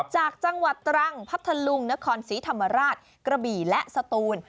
จากจังหวัดตรังพัทธลุงนครศรีธรรมราชกระบี่และสตูน